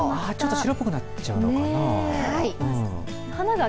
ちょっと白っぽくなっちゃうのかな。